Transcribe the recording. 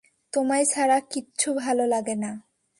তোমায় ছাড়া কিচ্ছু ভালো লাগে না।